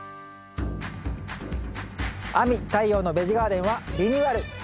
「亜美・太陽のベジガーデン」はリニューアル！